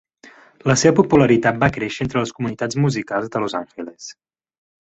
La seva popularitat va créixer entre les comunitats musicals de Los Angeles.